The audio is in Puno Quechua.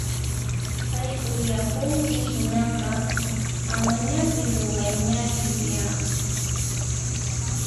Sayk'uyapunki hinaqa amañapis ruwaychuya!